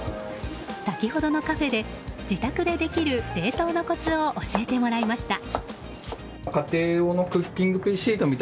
先ほどのカフェで自宅でできる冷凍のコツを教えてもらいました。